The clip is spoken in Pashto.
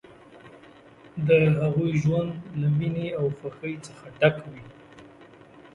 چې د هغوی ژوند له مینې او خوښۍ څخه ډک وي.